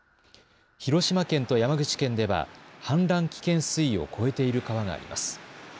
広島県と山口県では氾濫危険水位を超えている川があります。